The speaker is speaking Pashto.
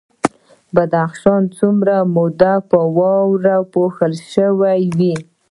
بدخشان څومره موده په واورو پوښل شوی وي؟